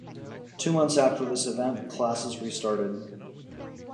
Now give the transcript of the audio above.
Two months after this event, classes restarted.